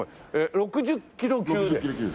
６０キロ級です。